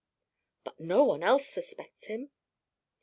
"But no one else suspects him."